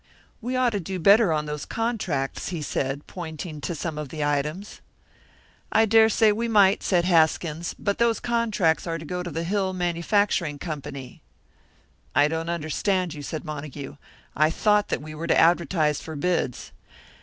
"We ought to do better on those contracts," he said, pointing to some of the items. "I dare say we might," said Haskins; "but those contracts are to go to the Hill Manufacturing Company." "I don't understand you," said Montague; "I thought that we were to advertise for bids."